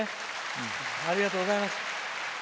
ありがとうございます。